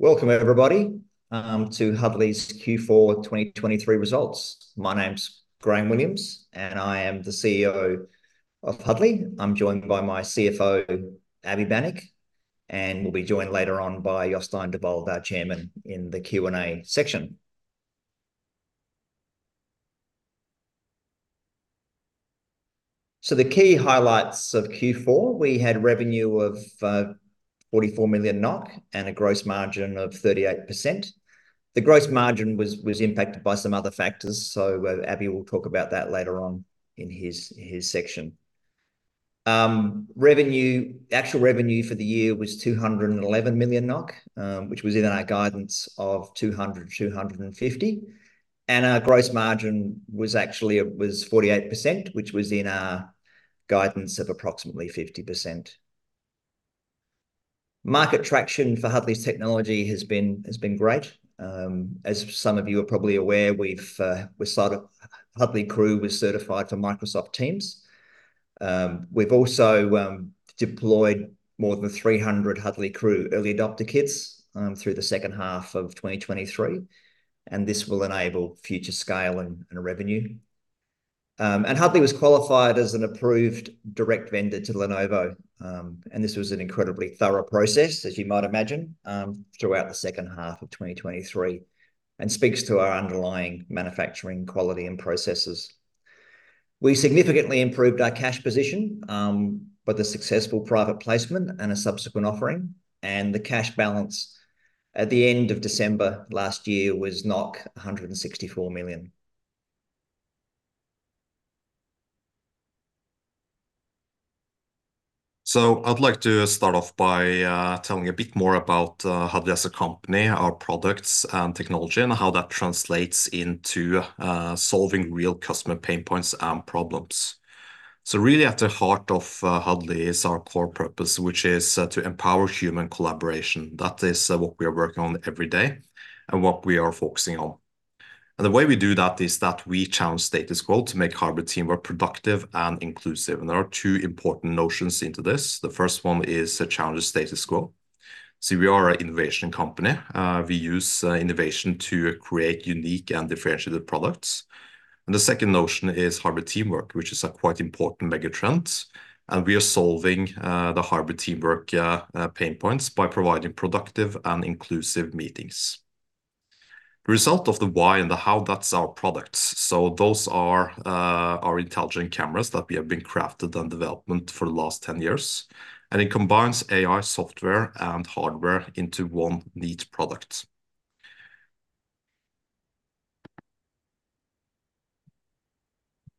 Welcome, everybody, to Huddly's Q4 2023 results. My name's Graham Williams, and I am the CEO of Huddly. I'm joined by my CFO, Abhijit Saha Banik, and we'll be joined later on by Jostein Devold, our chairman, in the Q&A section. So the key highlights of Q4: we had revenue of 44 million NOK and a gross margin of 38%. The gross margin was impacted by some other factors, so Abhi will talk about that later on in his section. Actual revenue for the year was 211 million NOK, which was in our guidance of 200-250. And our gross margin was actually 48%, which was in our guidance of approximately 50%. Market traction for Huddly's technology has been great. As some of you are probably aware, we've, we're started Huddly Crew was certified for Microsoft Teams. We've also deployed more than 300 Huddly Crew early adopter kits through the second half of 2023, and this will enable future scale and, and revenue. Huddly was qualified as an approved direct vendor to Lenovo, and this was an incredibly thorough process, as you might imagine, throughout the second half of 2023 and speaks to our underlying manufacturing quality and processes. We significantly improved our cash position, with a successful private placement and a subsequent offering, and the cash balance at the end of December last year was 164 million. So I'd like to start off by telling a bit more about Huddly as a company, our products and technology, and how that translates into solving real customer pain points and problems. Really, at the heart of Huddly is our core purpose, which is to empower human collaboration. That is what we are working on every day and what we are focusing on. The way we do that is that we challenge status quo to make hybrid teamwork productive and inclusive. There are two important notions into this. The first one is challenge the status quo. We are an innovation company. We use innovation to create unique and differentiated products. The second notion is hybrid teamwork, which is a quite important megatrend. We are solving the hybrid teamwork pain points by providing productive and inclusive meetings. The result of the why and the how, that's our products. Those are our intelligent cameras that we have been crafted and developed for the last 10 years. It combines AI software and hardware into one neat product.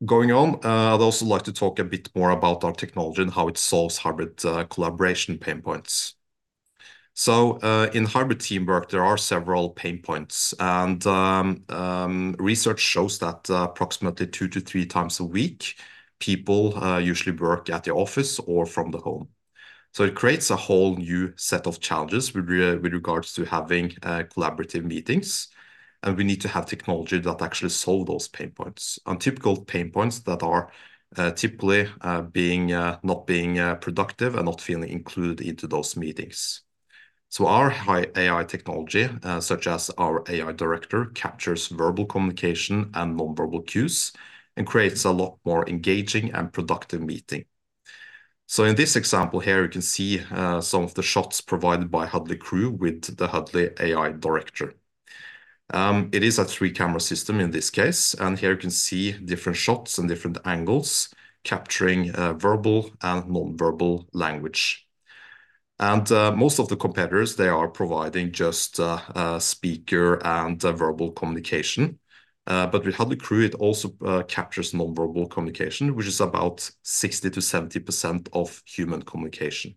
Going on, I'd also like to talk a bit more about our technology and how it solves hybrid collaboration pain points. In hybrid teamwork, there are several pain points. Research shows that approximately 2-3 times a week, people usually work at the office or from the home. It creates a whole new set of challenges with regards to having collaborative meetings. We need to have technology that actually solve those pain points and typical pain points that are typically not being productive and not feeling included into those meetings. So our high AI technology, such as our AI Director, captures verbal communication and nonverbal cues and creates a lot more engaging and productive meeting. So in this example here, you can see some of the shots provided by Huddly Crew with the Huddly AI Director. It is a three-camera system in this case. And here you can see different shots and different angles capturing verbal and nonverbal language. Most of the competitors, they are providing just speaker and verbal communication. But with Huddly Crew, it also captures nonverbal communication, which is about 60%-70% of human communication.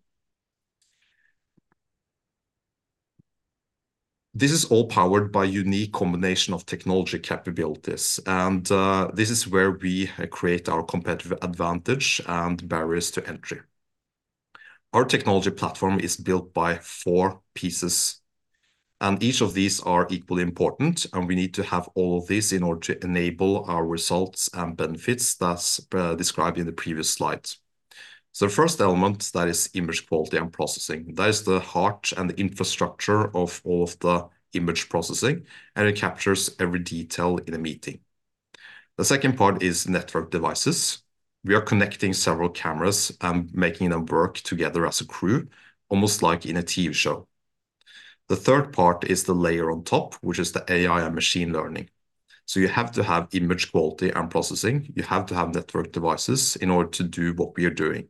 This is all powered by a unique combination of technology capabilities. This is where we create our competitive advantage and barriers to entry. Our technology platform is built by four pieces. Each of these are equally important. We need to have all of these in order to enable our results and benefits that's described in the previous slide. The first element, that is image quality and processing. That is the heart and the infrastructure of all of the image processing. It captures every detail in a meeting. The second part is network devices. We are connecting several cameras and making them work together as a crew, almost like in a TV show. The third part is the layer on top, which is the AI and machine learning. You have to have image quality and processing. You have to have network devices in order to do what we are doing.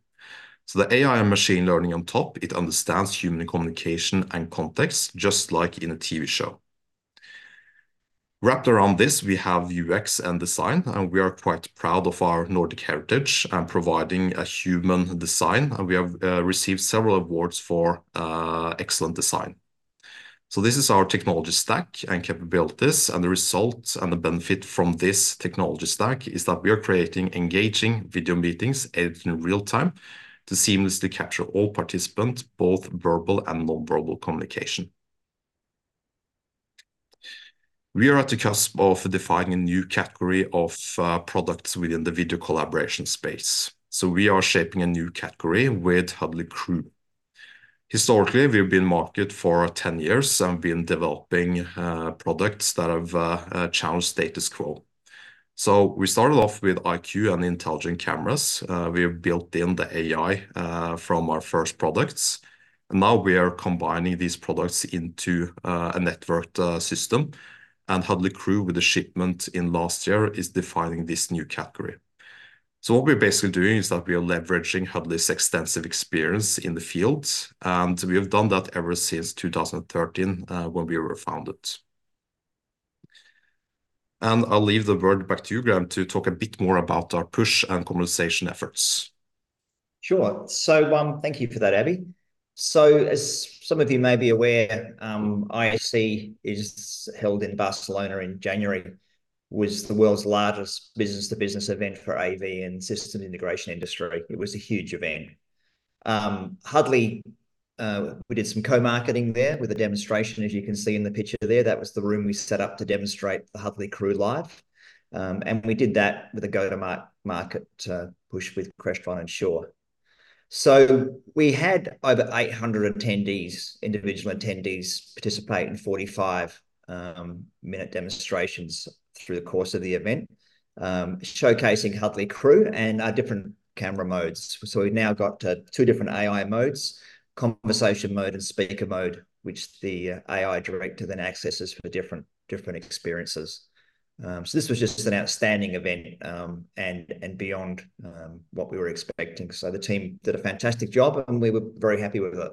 The AI and machine learning on top, it understands human communication and context just like in a TV show. Wrapped around this, we have UX and design, and we are quite proud of our Nordic heritage and providing a human design. And we have received several awards for excellent design. So this is our technology stack and capabilities. And the result and the benefit from this technology stack is that we are creating engaging video meetings edited in real time to seamlessly capture all participants, both verbal and nonverbal communication. We are at the cusp of defining a new category of products within the video collaboration space. So we are shaping a new category with Huddly Crew. Historically, we've been in the market for 10 years and been developing products that have challenged status quo. So we started off with IQ and intelligent cameras. We have built in the AI from our first products. And now we are combining these products into a networked system. Huddly Crew, with the shipment in last year, is defining this new category. So what we're basically doing is that we are leveraging Huddly's extensive experience in the field. We have done that ever since 2013, when we were founded. I'll leave the word back to you, Graham, to talk a bit more about our push and conversation efforts. Sure. So, thank you for that, Abhi. So as some of you may be aware, ISE is held in Barcelona in January, was the world's largest business-to-business event for AV and system integration industry. It was a huge event. Huddly, we did some co-marketing there with a demonstration, as you can see in the picture there. That was the room we set up to demonstrate the Huddly Crew live, and we did that with a go-to-market push with Crestron and Shure. So we had over 800 individual attendees participate in 45-minute demonstrations through the course of the event, showcasing Huddly Crew and different camera modes. So we've now got to two different AI modes, Conversation Mode and Speaker Mode, which the AI Director then accesses for different experiences. So this was just an outstanding event, and beyond what we were expecting. So the team did a fantastic job, and we were very happy with it.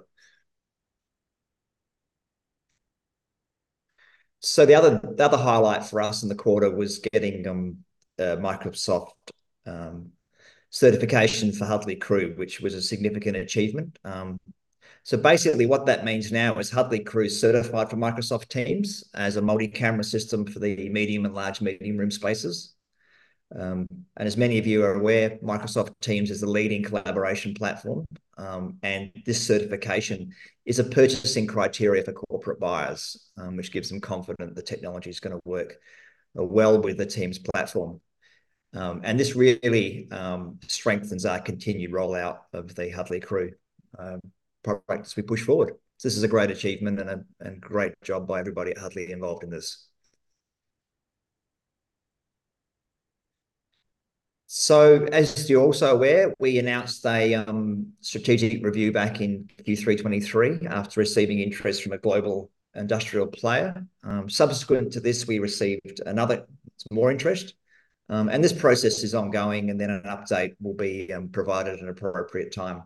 So the other highlight for us in the quarter was getting Microsoft certification for Huddly Crew, which was a significant achievement. So basically what that means now is Huddly Crew is certified for Microsoft Teams as a multi-camera system for the medium and large meeting room spaces. As many of you are aware, Microsoft Teams is the leading collaboration platform. This certification is a purchasing criteria for corporate buyers, which gives them confidence the technology is gonna work well with the Teams platform. This really strengthens our continued rollout of the Huddly Crew products we push forward. So this is a great achievement and a great job by everybody at Huddly involved in this. So as you're also aware, we announced a strategic review back in Q3 2023 after receiving interest from a global industrial player. Subsequent to this, we received another some more interest. And this process is ongoing, and then an update will be provided at an appropriate time.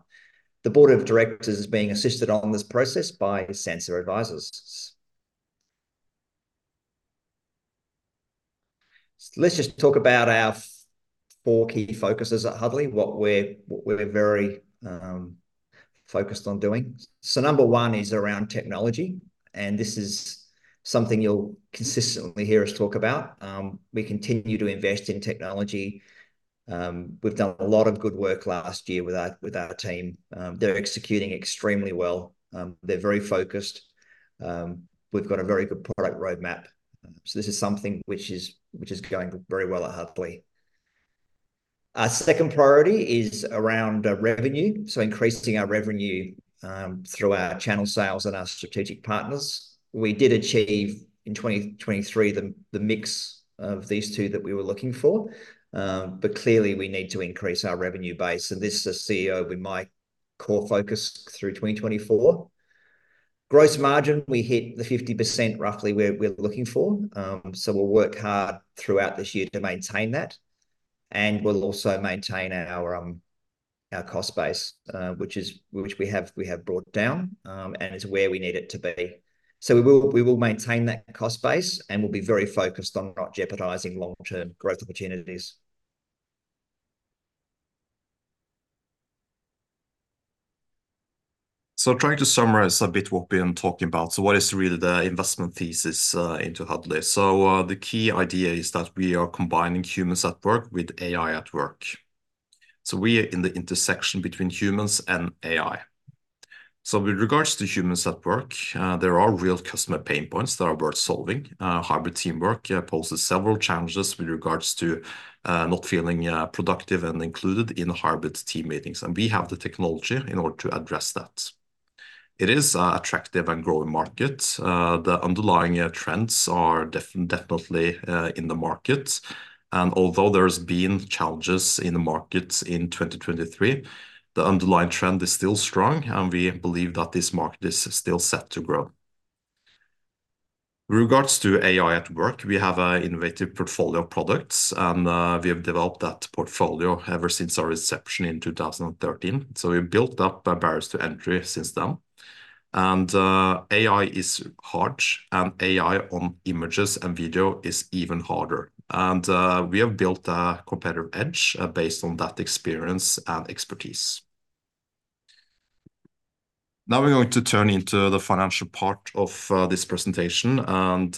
The board of directors is being assisted on this process by Sansa Advisors. Let's just talk about our four key focuses at Huddly, what we're, what we're very focused on doing. So number one is around technology, and this is something you'll consistently hear us talk about. We continue to invest in technology. We've done a lot of good work last year with our, with our team. They're executing extremely well. They're very focused. We've got a very good product roadmap. So this is something which is, which is going very well at Huddly. Our second priority is around revenue, so increasing our revenue through our channel sales and our strategic partners. We did achieve in 2023 the mix of these two that we were looking for. But clearly we need to increase our revenue base. And this is a CEO with my core focus through 2024. Gross margin, we hit the 50% roughly we're looking for. So we'll work hard throughout this year to maintain that. And we'll also maintain our cost base, which we have brought down, and it's where we need it to be. So we will maintain that cost base, and we'll be very focused on not jeopardizing long-term growth opportunities. Trying to summarize a bit what we've been talking about. What is really the investment thesis into Huddly? The key idea is that we are combining humans at work with AI at work. We are in the intersection between humans and AI. With regards to humans at work, there are real customer pain points that are worth solving. Hybrid teamwork poses several challenges with regards to not feeling productive and included in hybrid team meetings. We have the technology in order to address that. It is an attractive and growing market. The underlying trends are definitely in the market. Although there's been challenges in the market in 2023, the underlying trend is still strong, and we believe that this market is still set to grow. With regards to AI at work, we have an innovative portfolio of products, and we have developed that portfolio ever since our inception in 2013. So we've built up barriers to entry since then. And AI is hard, and AI on images and video is even harder. And we have built a competitive edge, based on that experience and expertise. Now we're going to turn into the financial part of this presentation. And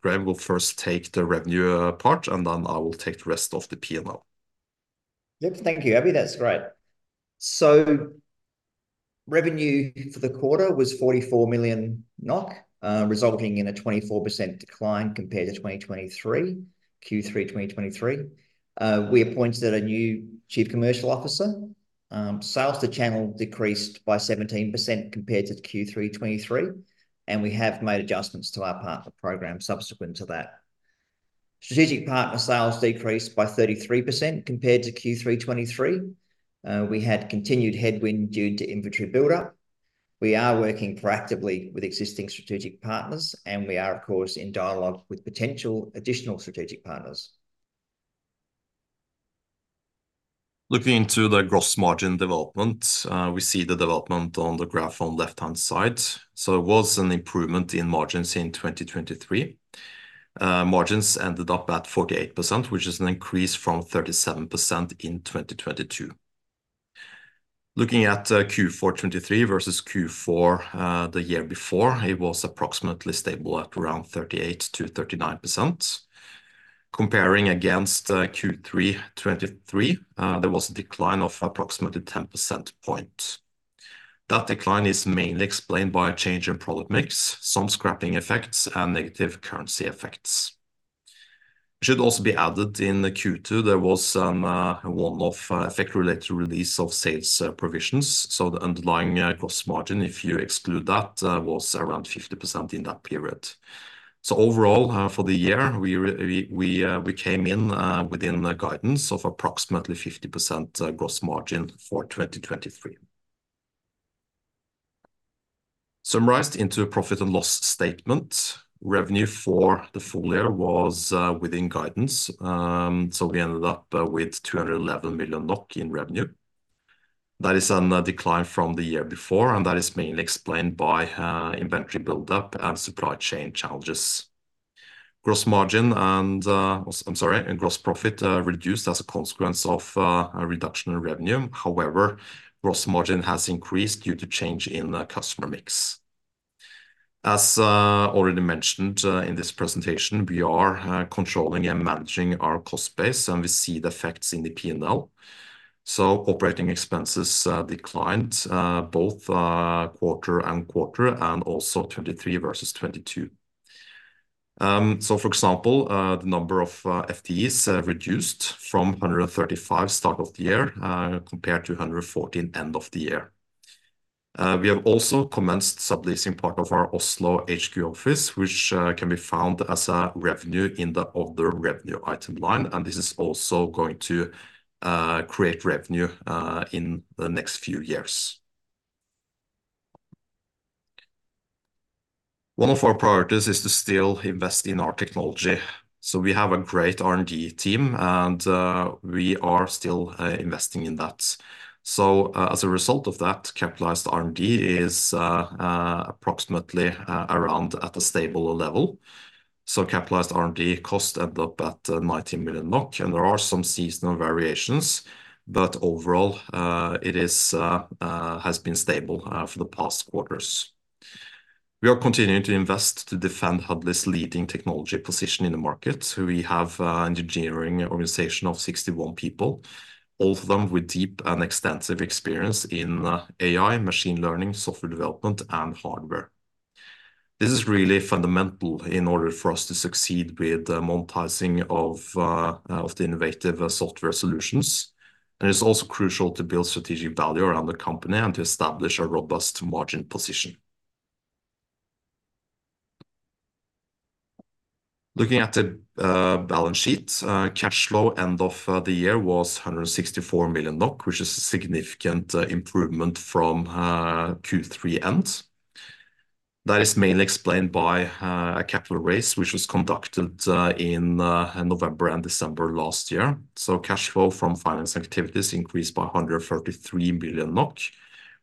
Graham will first take the revenue part, and then I will take the rest of the P&L. Yep. Thank you, Abhi. That's great. So revenue for the quarter was 44 million NOK, resulting in a 24% decline compared to Q3 2023. We appointed a new chief commercial officer. Sales to channel decreased by 17% compared to Q3 2023. And we have made adjustments to our partner program subsequent to that. Strategic partner sales decreased by 33% compared to Q3 2023. We had continued headwind due to inventory buildup. We are working proactively with existing strategic partners, and we are, of course, in dialogue with potential additional strategic partners. Looking into the gross margin development, we see the development on the graph on the left-hand side. There was an improvement in margins in 2023. Margins ended up at 48%, which is an increase from 37% in 2022. Looking at Q4 2023 versus Q4 the year before, it was approximately stable at around 38%-39%. Comparing against Q3 2023, there was a decline of approximately 10 percentage points. That decline is mainly explained by a change in product mix, some scrapping effects, and negative currency effects. It should also be added in Q2 there was a one-off effect-related release of sales provisions. The underlying gross margin, if you exclude that, was around 50% in that period. Overall, for the year, we came in within guidance of approximately 50% gross margin for 2023. Summarized into a profit and loss statement, revenue for the full year was within guidance. So we ended up with 211 million NOK in revenue. That is a decline from the year before, and that is mainly explained by inventory buildup and supply chain challenges. Gross margin and, I'm sorry, and gross profit reduced as a consequence of a reduction in revenue. However, gross margin has increased due to change in customer mix. As already mentioned in this presentation, we are controlling and managing our cost base, and we see the effects in the P&L. So operating expenses declined both quarter-over-quarter and also 2023 versus 2022. So for example, the number of FTEs reduced from 135 start of the year, compared to 114 end of the year. We have also commenced subleasing part of our Oslo HQ office, which can be found as a revenue in the other revenue item line. And this is also going to create revenue in the next few years. One of our priorities is to still invest in our technology. So we have a great R&D team, and we are still investing in that. So, as a result of that, capitalized R&D is approximately around at a stable level. So capitalized R&D cost ended up at 19 million NOK, and there are some seasonal variations, but overall, it is has been stable for the past quarters. We are continuing to invest to defend Huddly's leading technology position in the market. We have an engineering organization of 61 people, all of them with deep and extensive experience in AI, machine learning, software development, and hardware. This is really fundamental in order for us to succeed with monetizing of the innovative software solutions. It's also crucial to build strategic value around the company and to establish a robust margin position. Looking at the balance sheet, cash flow end of the year was 164 million NOK, which is a significant improvement from Q3 end. That is mainly explained by a capital raise, which was conducted in November and December last year. Cash flow from finance activities increased by 133 million NOK,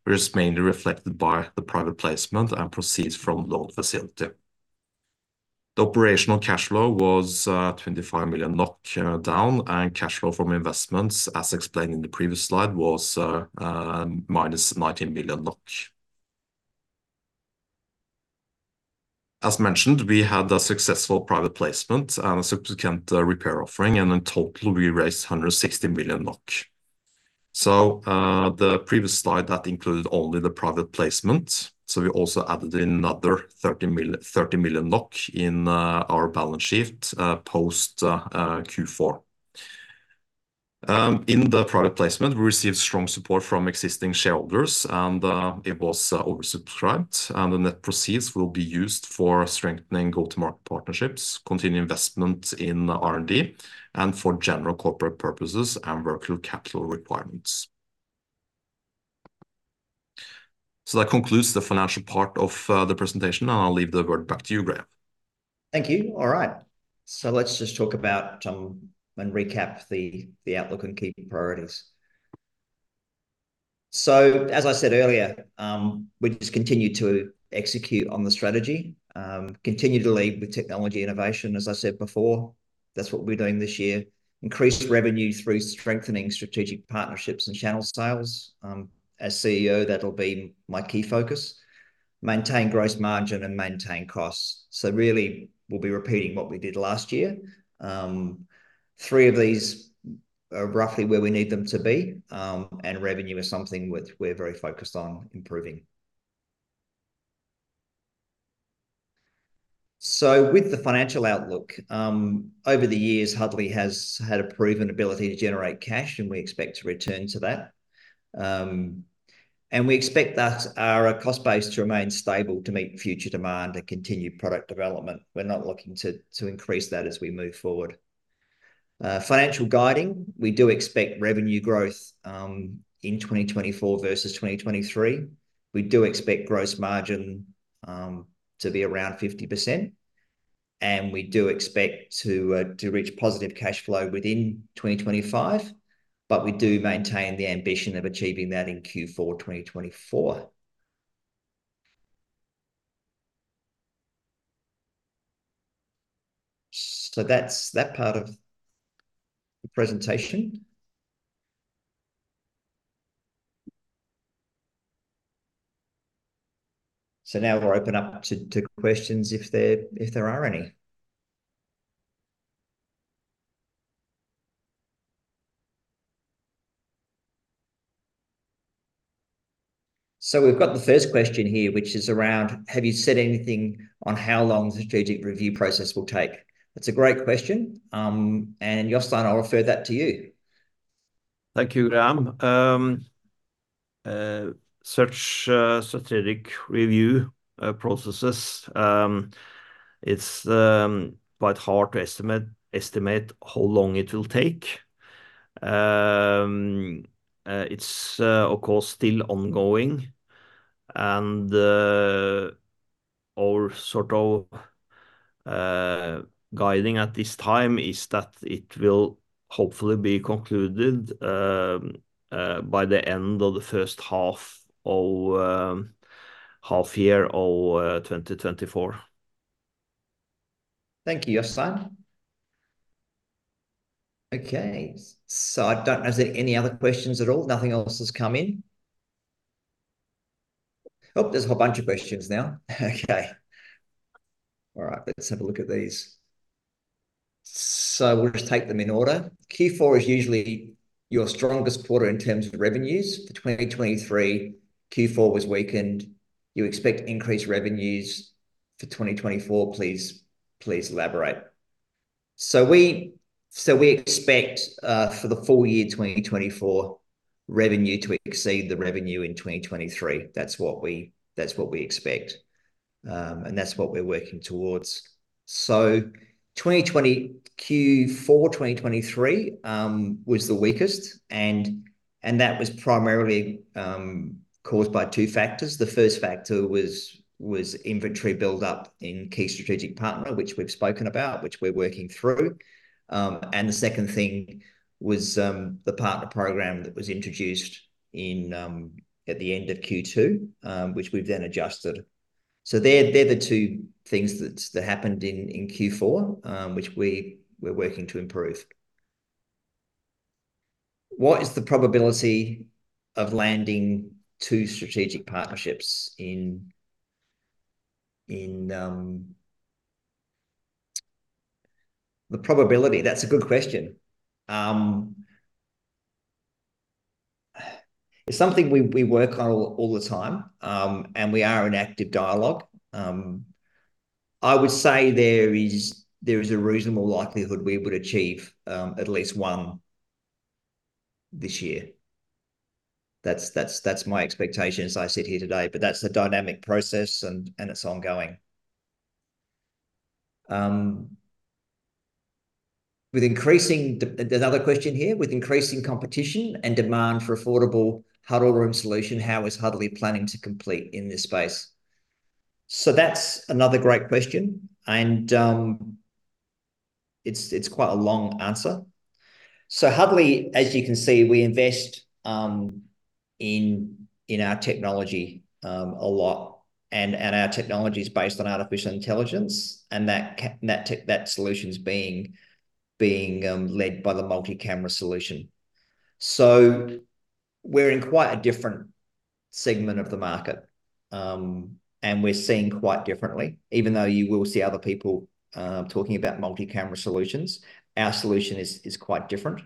which is mainly reflected by the private placement and proceeds from loan facility. The operational cash flow was down 25 million NOK, and cash flow from investments, as explained in the previous slide, was -19 million NOK. As mentioned, we had a successful private placement and a subsequent repair offering, and in total, we raised 160 million NOK. So, the previous slide that included only the private placement, so we also added in another 30 million, 30 million NOK in our balance sheet post Q4. In the private placement, we received strong support from existing shareholders, and it was oversubscribed, and the net proceeds will be used for strengthening go-to-market partnerships, continued investment in R&D, and for general corporate purposes and working capital requirements. So that concludes the financial part of the presentation, and I'll leave the word back to you, Graham. Thank you. All right. So let's just talk about, and recap the outlook and key priorities. So as I said earlier, we just continue to execute on the strategy, continue to lead with technology innovation, as I said before. That's what we're doing this year. Increase revenue through strengthening strategic partnerships and channel sales. As CEO, that'll be my key focus. Maintain gross margin and maintain costs. So really, we'll be repeating what we did last year. Three of these are roughly where we need them to be, and revenue is something we're very focused on improving. So with the financial outlook, over the years, Huddly has had a proven ability to generate cash, and we expect to return to that. We expect that our cost base to remain stable to meet future demand and continue product development. We're not looking to increase that as we move forward. Financial guidance, we do expect revenue growth in 2024 versus 2023. We do expect gross margin to be around 50%. We do expect to reach positive cash flow within 2025, but we do maintain the ambition of achieving that in Q4 2024. So that's that part of the presentation. So now we'll open up to questions if there are any. So we've got the first question here, which is around: have you said anything on how long the strategic review process will take? That's a great question. Jostein, I'll refer that to you. Thank you, Graham. Such strategic review processes. It's quite hard to estimate how long it will take. It's, of course, still ongoing. Our sort of guidance at this time is that it will hopefully be concluded by the end of the first half of the year of 2024. Thank you, Jostein. Okay. So I don't know, is there any other questions at all? Nothing else has come in? Oh, there's a whole bunch of questions now. Okay. All right. Let's have a look at these. So we'll just take them in order. Q4 is usually your strongest quarter in terms of revenues. For 2023, Q4 was weakened. You expect increased revenues for 2024. Please, please elaborate. So we expect, for the full year 2024, revenue to exceed the revenue in 2023. That's what we, that's what we're working towards. So Q4 2023 was the weakest, and that was primarily caused by two factors. The first factor was inventory buildup in key strategic partner, which we've spoken about, which we're working through. And the second thing was the partner program that was introduced at the end of Q2, which we've then adjusted. So they're the two things that happened in Q4, which we're working to improve. What is the probability of landing two strategic partnerships? The probability? That's a good question. It's something we work on all the time, and we are in active dialogue. I would say there is a reasonable likelihood we would achieve at least one this year. That's my expectation, as I sit here today, but that's the dynamic process, and it's ongoing. With increasing competition and demand for affordable huddle room solution, how is Huddly planning to compete in this space? So that's another great question. And it's quite a long answer. So Huddly, as you can see, we invest in our technology a lot, and our technology is based on artificial intelligence, and that tech, that solution's being led by the multi-camera solution. So we're in quite a different segment of the market, and we're seeing quite differently. Even though you will see other people talking about multi-camera solutions, our solution is quite different.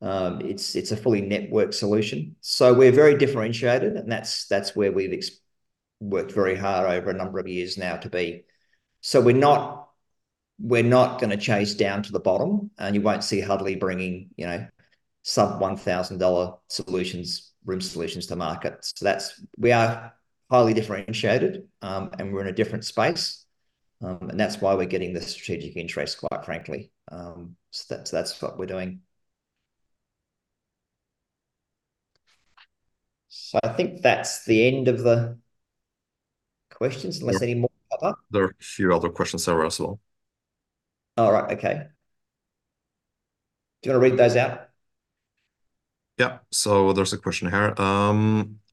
It's a fully networked solution. So we're very differentiated, and that's where we've worked very hard over a number of years now to be. So we're not gonna chase down to the bottom, and you won't see Huddly bringing, you know, sub-$1,000 solutions, room solutions to market. So that's, we are highly differentiated, and we're in a different space. And that's why we're getting the strategic interest, quite frankly. So that's what we're doing. I think that's the end of the questions, unless any more pop up. There are a few other questions there as well. All right. Okay. Do you wanna read those out? Yep. So there's a question here.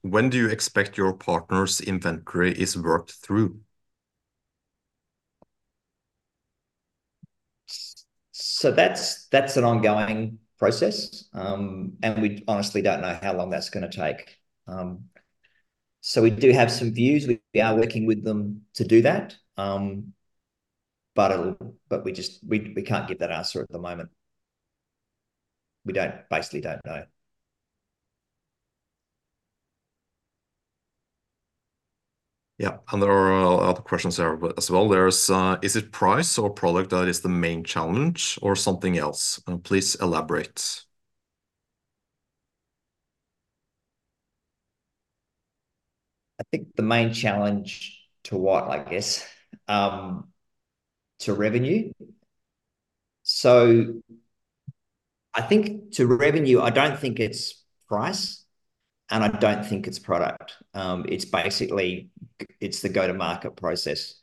When do you expect your partner's inventory is worked through? So that's an ongoing process, and we honestly don't know how long that's gonna take. So we do have some views. We are working with them to do that, but we just can't give that answer at the moment. We basically don't know. Yep. And there are other, other questions there as well. There's, is it price or product that is the main challenge or something else? Please elaborate. I think the main challenge to what, I guess, to revenue. So I think to revenue, I don't think it's price, and I don't think it's product. It's basically, it's the go-to-market process.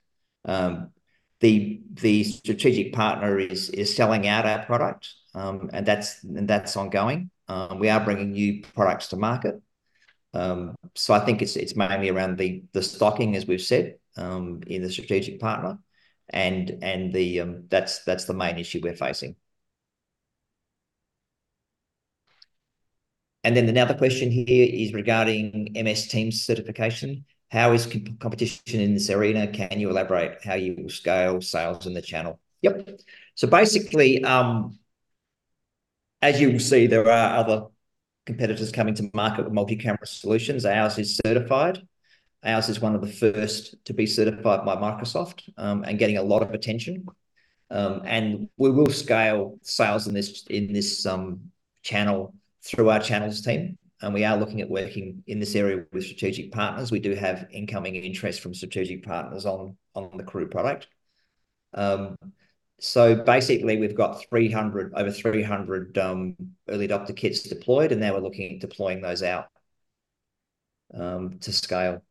The strategic partner is selling out our product, and that's ongoing. We are bringing new products to market. So I think it's mainly around the stocking, as we've said, in the strategic partner. And that's the main issue we're facing. And then the other question here is regarding Microsoft Teams certification. How is competition in this arena? Can you elaborate how you will scale sales in the channel? Yep. So basically, as you will see, there are other competitors coming to market with multi-camera solutions. Ours is certified. Ours is one of the first to be certified by Microsoft, and getting a lot of attention. We will scale sales in this channel through our channels team. We are looking at working in this area with strategic partners. We do have incoming interest from strategic partners on the Crew product. So basically, we've got over 300 early adopter kits deployed, and now we're looking at deploying those out to scale.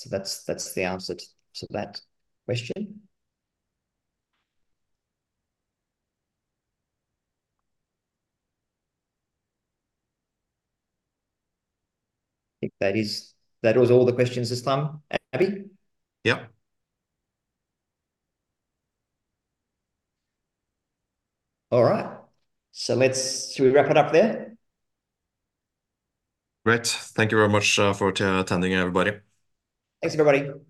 So that's the answer to that question. I think that was all the questions this time, Abhijit? Yep. All right. So, should we wrap it up there? Great. Thank you very much for attending, everybody. Thanks, everybody.